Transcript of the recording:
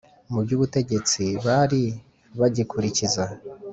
mu by’ubutegetsi bari bagikurikiza